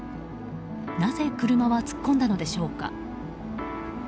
なぜ、車は突っ込んだのでしょうか。